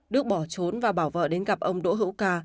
đức bỏ trốn và bảo vợ đến gặp ông đỗ hữu ca